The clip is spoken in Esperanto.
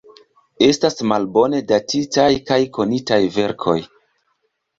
Estas malbone datitaj kaj konitaj verkoj.